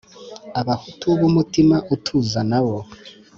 Abahutu b'umutima utuza nabo